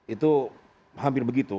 itu hampir begitu